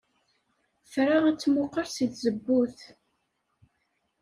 Tra ad temmuqqel seg tzewwut.